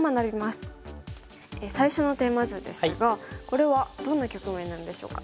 最初のテーマ図ですがこれはどんな局面なんでしょうか？